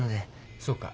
そうか。